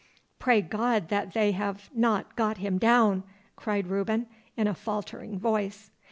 'Pray God that they have not got him down!' cried Reuben, in a faltering voice.